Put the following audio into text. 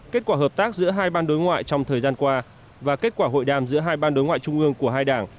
kết quả hợp tác giữa hai ban đối ngoại trong thời gian qua và kết quả hội đàm giữa hai ban đối ngoại trung ương của hai đảng